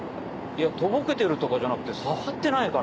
とぼけてるとかじゃなくて触ってないから。